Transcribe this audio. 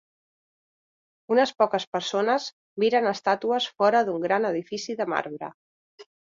Unes poques persones miren estàtues fora d'un gran edifici de marbre